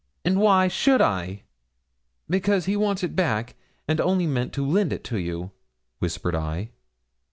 'And why should I?' 'Because he wants it back, and only meant to lend it to you,' whispered I.